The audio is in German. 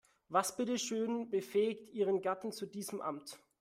Was bitteschön befähigt ihren Gatten zu diesem Amt?